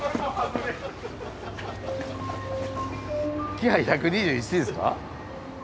キハ１２１ですか？